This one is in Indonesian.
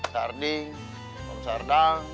sardi om sardang